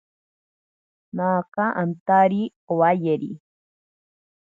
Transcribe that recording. Naaka antari owayeri.